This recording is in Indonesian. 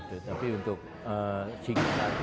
tapi untuk sikim